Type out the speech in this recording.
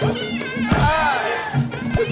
โอ๊ยโอ๊ย